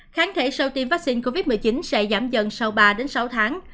kháng thể sau tiêm vaccine covid một mươi chín sẽ giảm dần sau ba sáu tháng